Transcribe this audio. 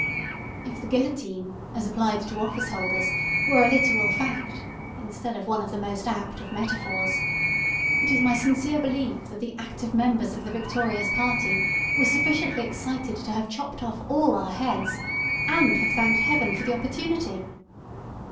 If the guillotine, as applied to office holders, were a literal fact, instead of one of the most apt of metaphors, it is my sincere belief that the active members of the victorious party were sufficiently excited to have chopped off all our heads, and have thanked Heaven for the opportunity!